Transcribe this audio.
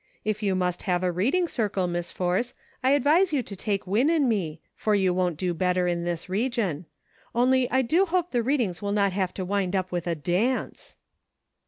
If you must have a reading circle, Miss Force, I advise you to take Win and me, for you won't do better in this region ; only I do hope the readings will not have to wind up with a dance